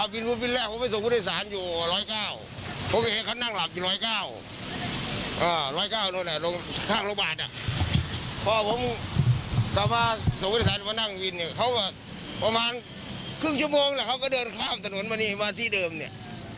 ครึ่งชั่วโมงแหละเขาก็เดินข้ามถนนมานี่มาที่เดิมนี่